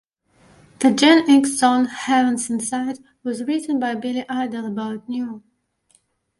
The Gen X song "Heaven's Inside" was written by Billy Idol about New.